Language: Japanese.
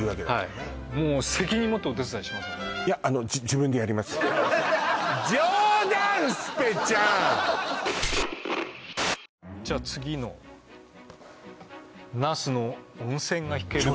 もういやあのじゃあ次の那須の温泉が引ける物件